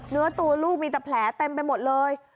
เนื้อตัวลูกมีแต่แผลเต็มไปหมดเลย